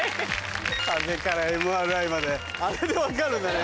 風邪からＭＲＩまであれで分かるんだね